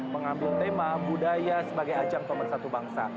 mengambil tema budaya sebagai ajang pemerintah satu bangsa